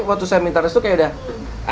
waktu saya minta restu kayak udah